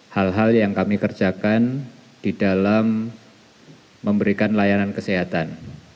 hal hal yang kami kerjakan di dalam memberikan layanan kesehatan